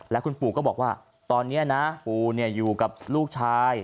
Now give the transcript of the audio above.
แล้วคุณปู่ก็บอกว่าตอนนี้นะปูอยู่กับลูกชาย